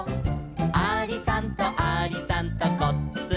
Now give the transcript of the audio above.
「ありさんとありさんとこっつんこ」